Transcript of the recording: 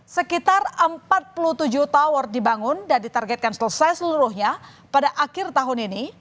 sekitar empat puluh tujuh tower dibangun dan ditargetkan selesai seluruhnya pada akhir tahun ini